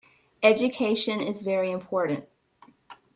Education is very important.